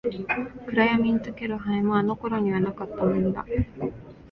暗闇に溶ける灰も、あの頃にはなかったものだ。